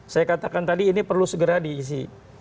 saya katakan tadi ini perlu segera diisi